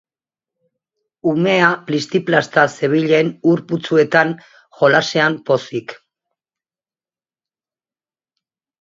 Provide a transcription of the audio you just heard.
Umea plisti-plasta zebilen ur putzuetan jolasean, pozik.